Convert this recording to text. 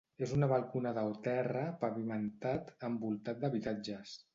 És una balconada o terra, pavimentat, envoltat d'habitatges.